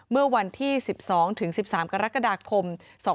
เมื่อวันที่๑๒ถึง๑๓กรกฎาคม๒๕๖